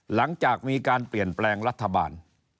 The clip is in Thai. หลังจากมีการเปลี่ยนแปลงรัฐบาล